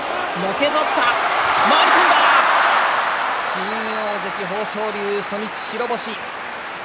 新大関、豊昇龍初日白星。